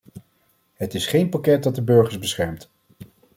Het is geen pakket dat de burgers beschermt.